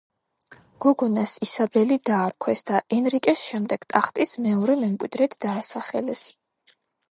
გოგონას ისაბელი დაარქვეს და ენრიკეს შემდეგ ტახტის მეორე მემკვიდრედ დაასახელეს.